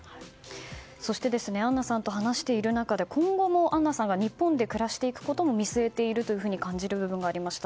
そしてアンナさんと話している中で今後もアンナさん日本で暮らしていくことも見据えていると感じる部分がありました。